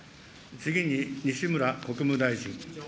次に、西村国務大臣。